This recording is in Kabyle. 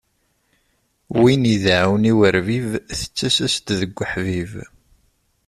Win ideɛɛun i urbib, tettas-as-d deg uḥbib.